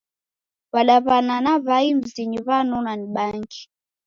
W'adaw'ana na w'ai mzinyi w'anonwa ni bangi.